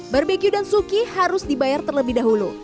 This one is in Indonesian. barbecue dan suki harus dibayar terlebih dahulu